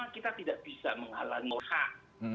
kita tidak bisa menghalangi hak